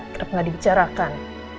kerap nggak dibicarakan